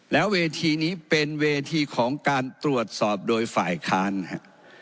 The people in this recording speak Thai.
แล้วเวทีนี้เป็นเวทีของการตรวจสอบโดยฝ่ายค้านฮะ